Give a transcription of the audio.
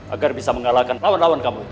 agar bisa mengalahkan lawan lawan kamu